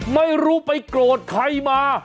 ไม่รู้ไปโกรธใครมา